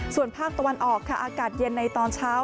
ส่วนภาคตะวันออกค่ะอากาศเย็นในตอนเช้า